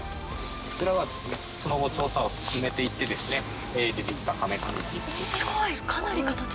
こちらはその後調査を進めて行ってですね出て来た甕棺。